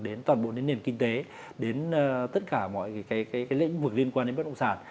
đến toàn bộ đến nền kinh tế đến tất cả mọi lĩnh vực liên quan đến bất động sản